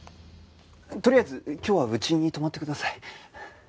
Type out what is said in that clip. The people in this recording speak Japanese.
とりあえず今日はうちに泊まってください。